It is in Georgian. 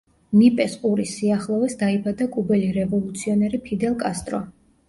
ნიპეს ყურის სიახლოვეს დაიბადა კუბელი რევოლუციონერი ფიდელ კასტრო.